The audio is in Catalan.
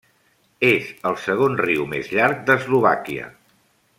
És el segon riu més llarg d'Eslovàquia.